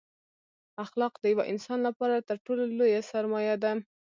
اخلاق دیوه انسان لپاره تر ټولو لویه سرمایه ده